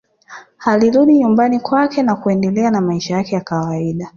Alirudi nyumbani kwake na kuendelea na maisha yake ya kawaida